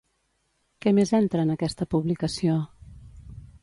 Què més entra en aquesta publicació?